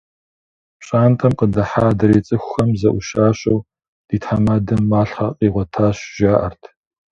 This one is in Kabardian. ПщӀантӀэм къыдыхьа адрей цӀыхухэм зэӀущащэу: «Ди тхьэмадэм малъхъэ къигъуэтащ», – жаӀэрт.